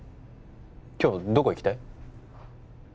今日どこ行きたい？